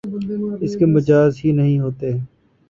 اس کے مجاز ہی نہیں ہوتے